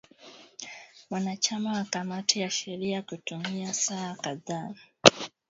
wanachama wa kamati ya sheria kutumia saa kadhaa kutoa taarifa zao ufunguzi